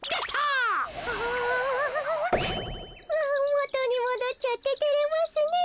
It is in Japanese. もとにもどっちゃっててれますねえ。